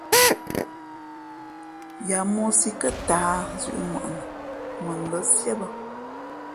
Ya mōō sǐ kάtǎh zʉ̄ʼŋwαʼni mα ngα̌ síé bᾱ.